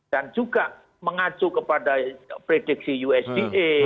dan juga mengacu kepada prediksi usda